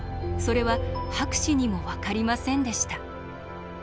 それは博士にも分かりませんでした。